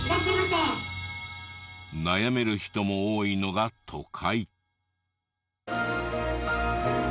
悩める人も多いのが都会。